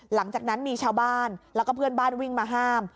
หลังจากนั้นมีชาวบ้านแล้วก็เพื่อนบ้านวิ่งมาห้าม